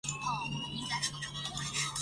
北海道哈密瓜真的不怎么样